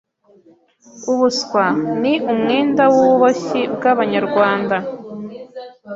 Ubuswa ni umwenda wububoshyi bwabanyarwanda